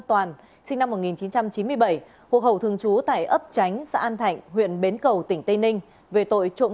toàn sinh năm một nghìn chín trăm chín mươi bảy hộ khẩu thường trú tại ấp tránh xã an thạnh huyện bến cầu tỉnh tây ninh về tội trộm